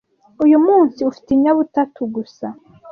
uyu munsi ufite inyabutatu gusa